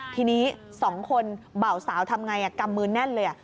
ทีนี้สองคนเบาสาวทำอย่างไรกำมือนแน่นเลย